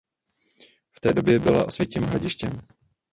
V té době byla Osvětim hradištěm.